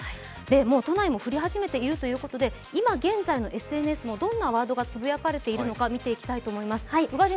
都内も降り始めているということで今、現在のＳＮＳでどんなワードがつぶやかれているのか見ていきたいと思います。